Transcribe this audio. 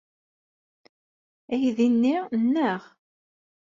Aydi-nni nneɣ.